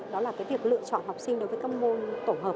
đó là cái việc lựa chọn học sinh đối với các môn tổ hợp